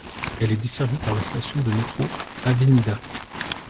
Elle est desservie par la station de métro Avenida.